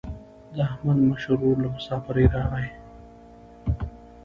د احمد مشر ورور له مسافرۍ راغی.